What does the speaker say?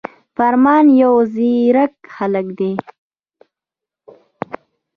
فرمان يو ځيرک هلک دی